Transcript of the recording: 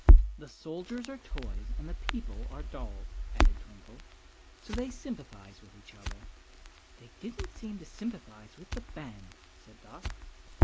"The soldiers are toys and the people are dolls," added Twinkle; "so they sympathize with each other." "They didn't seem to sympathize with the band," said Dot.